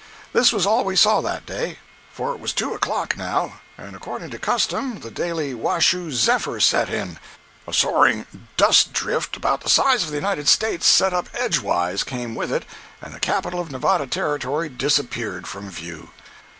This was all we saw that day, for it was two o'clock, now, and according to custom the daily "Washoe Zephyr" set in; a soaring dust drift about the size of the United States set up edgewise came with it, and the capital of Nevada Territory disappeared from view.